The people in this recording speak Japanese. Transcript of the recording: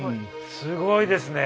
すごいですね。